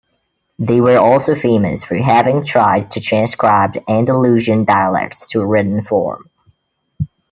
They were also famous for having tried to transcribe Andalusian dialects to written form.